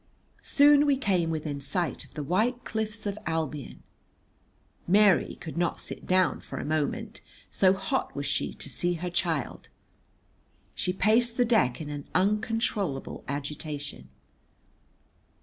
Soon we came within sight of the white cliffs of Albion. Mary could not sit down for a moment, so hot was she to see her child. She paced the deck in uncontrollable agitation.